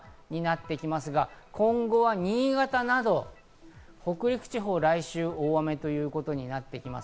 今後は新潟など、北陸地方、来週大雨ということになってきます。